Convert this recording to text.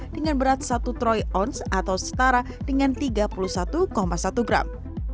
dengan berat satu troy ounce atau setara dengan tiga puluh satu satu gram